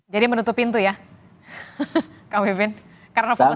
jadi menutup pintu ya kang pipin karena fokus kmk